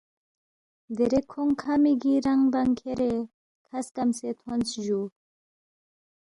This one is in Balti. دیرے کھونگ کھا مِگی رنگ بنگ کھیرے کھا سکمسے تھونس جُو